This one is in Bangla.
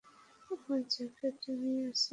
আমার জ্যাকেট নিয়ে আসি, তুই দাড়া!